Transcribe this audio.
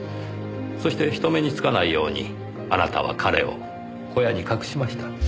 そして人目につかないようにあなたは彼を小屋に隠しました。